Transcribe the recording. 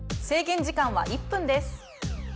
制限時間は１分です。